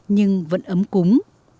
nhưng vẫn ấm cúng